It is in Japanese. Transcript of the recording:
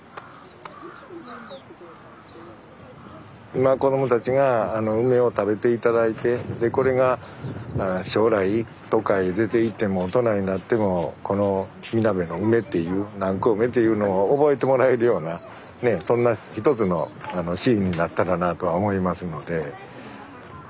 今子どもたちが梅を食べて頂いてでこれが将来どっかへ出ていっても大人になってもこのみなべの梅っていう南高梅っていうのを覚えてもらえるようなそんな一つのシーンになったらなあとは思いますので。